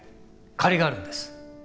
借りがあるんです。